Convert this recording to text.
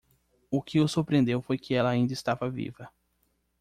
O que o surpreendeu foi que ela ainda estava viva.